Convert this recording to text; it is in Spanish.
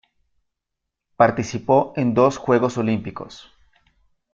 Participó en dos Juegos Olimpicos.